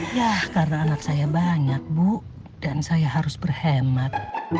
ya karena anak saya banyak bu dan saya harus berhemat